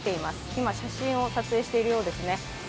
今、写真を撮影しているようですね